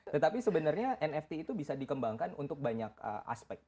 tetapi sebenarnya nft itu bisa dikembangkan untuk banyak aspek